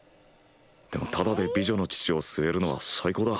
でもタダで美女の乳を吸えるのは最高だ。